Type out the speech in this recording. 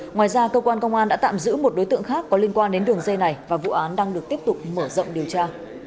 ngoài ra cơ quan công an đã tạm giữ một đối tượng khác có liên quan đến đường dây này và vụ án đang được tiếp tục mở rộng điều tra